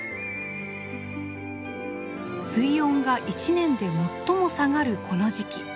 水温が一年で最も下がるこの時期。